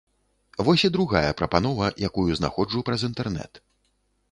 Вось і другая прапанова, якую знаходжу праз інтэрнэт.